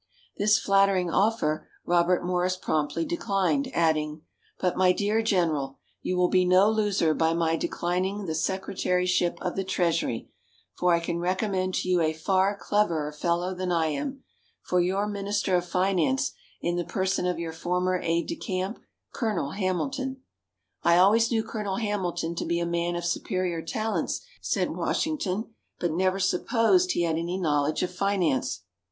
This flattering offer, Robert Morris promptly declined, adding: "But, my dear General, you will be no loser by my declining the Secretaryship of the Treasury, for I can recommend to you a far cleverer fellow than I am, for your minister of finance, in the person of your former aide de camp, Colonel Hamilton." "I always knew Colonel Hamilton to be a man of superior talents," said Washington, "but never supposed he had any knowledge of finance."